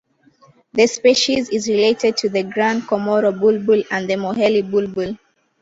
The species is related to the Grand Comoro bulbul and the Moheli bulbul.